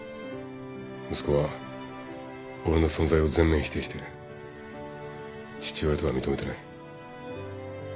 息子は俺の存在を全面否定して父親とは認めてない。